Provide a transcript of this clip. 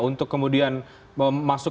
untuk kemudian masuk